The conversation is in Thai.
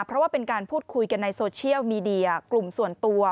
เพราะว่าเป็นการพูดคุยกันในโซเชียลมีเดียกลุ่มส่วนตัว